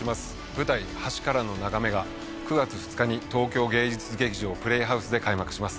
舞台橋からの眺めが９月２日に東京芸術劇場プレイハウスで開幕します